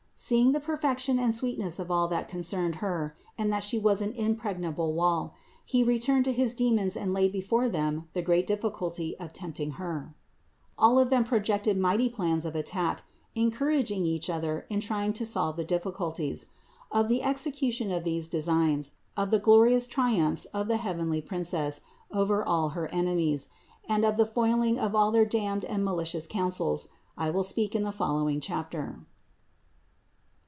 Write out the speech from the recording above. Seeing the perfection and sweetness of all that concerned Her, and that She was like an impregnable wall, he re turned to his demons and laid before them the great difficulty of tempting Her. All of them projected mighty THE INCARNATION 265 plans of attack, encouraging each other in trying to solve the difficulties. Of the execution of these designs, of the glorious triumphs of the heavenly Princess over all her enemies, and of the foiling of all their damned and ma licious counsels, I will speak in the following chapter.